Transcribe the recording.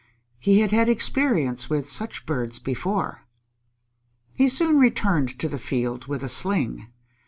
He had had experience with such birds before. He soon returned to the field with a sling.